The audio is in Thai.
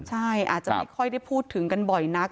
ใช่อาจจะไม่ค่อยได้พูดถึงกันบ่อยนัก